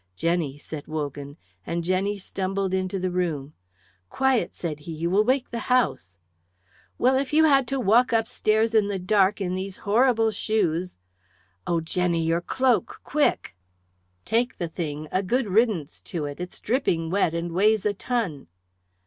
"Jenny," said Wogan, and Jenny stumbled into the room. "Quiet," said he; "you will wake the house." "Well, if you had to walk upstairs in the dark in these horrible shoes " "Oh, Jenny, your cloak, quick!" "Take the thing! A good riddance to it; it's dripping wet, and weighs a ton."